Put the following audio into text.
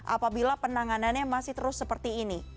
apabila penanganannya masih terus seperti ini